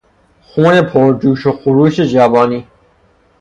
خون پرجوش و خروش جوانی